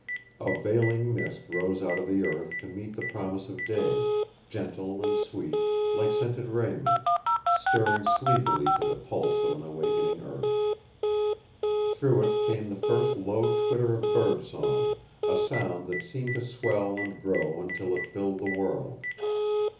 A veiling mist rose out of the earth to meet the promise of day, gentle and sweet, like scented raiment, stirring sleepily to the pulse of an awakening earth. Through it came the first low twitter of birdsong, a sound that seemed to swell and grow until it filled the world.